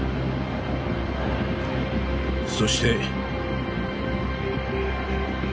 そして。